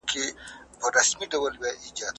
ښوونکی د زدهکوونکو پوهاوي ته پام کوي.